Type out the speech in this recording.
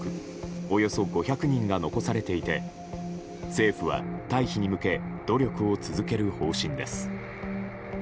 およそ５００人が残されていて政府は、退避に向け努力を続ける方針です。